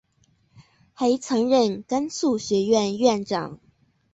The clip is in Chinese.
还曾任甘肃学院院长。